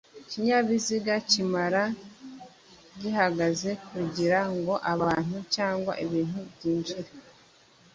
ikinyabiziga kimara gihagaze kugira ngo abantu cyangwa ibintu byinjire